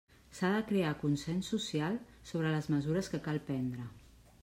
S'ha de crear consens social sobre les mesures que cal prendre.